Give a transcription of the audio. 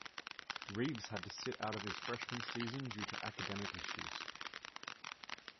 Reeves had to sit out his freshman season due to academic issues.